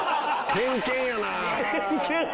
偏見やなあ。